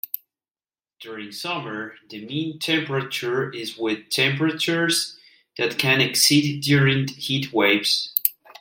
During summer, the mean temperature is with temperatures that can exceed during heat waves.